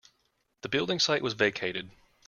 The building site was vacated.